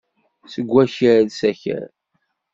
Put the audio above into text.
Seg wakal, s akal.